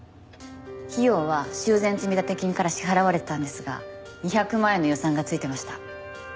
費用は修繕積立金から支払われていたんですが２００万円の予算がついてました。